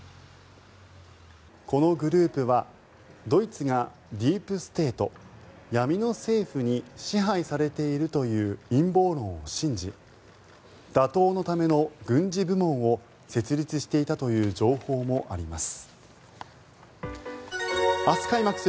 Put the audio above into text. このグループはドイツがディープ・ステート、闇の政府に支配されているという陰謀論を信じ打倒のための軍事部門を設立していたという情報もあります。